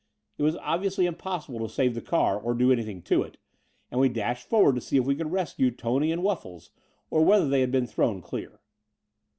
It was obviously impossible to save the car or do anything to it, and we dashed forward to see if we could rescue Tony and Wuflfles, or whether they had been thrown clear.